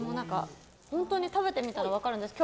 本当に食べてみたら分かるんですけど。